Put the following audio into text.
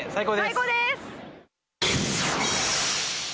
最高です。